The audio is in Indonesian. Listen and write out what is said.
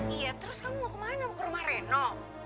iya terus kamu mau kemana mau ke rumah reno